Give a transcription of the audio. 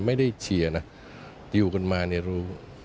เชียร์นะอยู่กันมาเนี่ยรู้